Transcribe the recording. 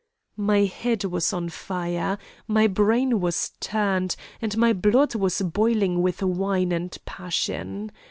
"My head was on fire, my brain was turned, and my blood was boiling with wine and passion.